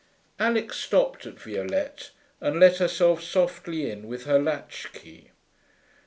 Alix stopped at Violette, and let herself softly in with her latchkey.